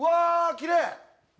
きれい！